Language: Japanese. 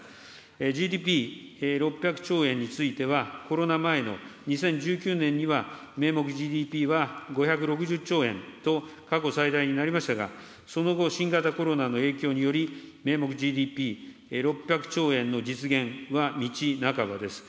ＧＤＰ６００兆円については、コロナ前の２０１９年には、名目ＧＤＰは５６０兆円と、過去最大になりましたが、その後、新型コロナの影響により、名目ＧＤＰ６００兆円の実現は道半ばです。